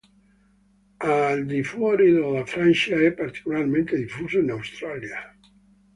Al di fuori della Francia è particolarmente diffuso in Australia.